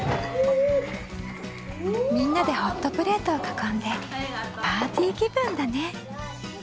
みんなでホットプレートを囲んでパーティー気分だね。